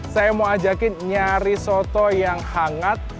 saya mau ajakin nyari soto yang hangat